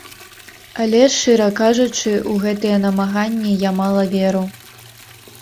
Але, шчыра кажучы, у гэтыя намаганні я мала веру.